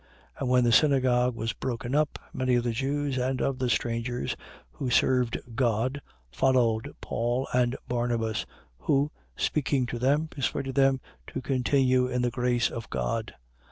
13:43. And when the synagogue was broken up, many of the Jews and of the strangers who served God followed Paul and Barnabas: who, speaking to them, persuaded them to continue in the grace of God.